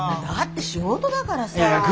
だって仕事だからさあ。